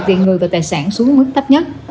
về người và tài sản xuống mức tấp nhất